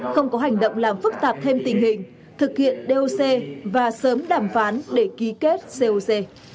không có hành động làm phức tạp thêm tình hình thực hiện doc và sớm đàm phán để ký kết coc